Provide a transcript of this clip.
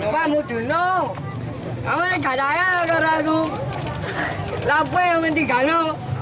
bapak mau bunuh kamu gak daya gak ragu lapu yang mentingganu